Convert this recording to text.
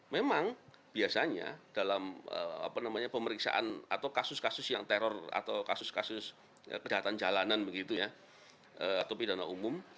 memang biasanya dalam pemeriksaan atau kasus kasus yang teror atau kasus kasus kejahatan jalanan begitu ya atau pidana umum